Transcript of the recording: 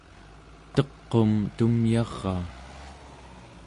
teq'um tumyaraa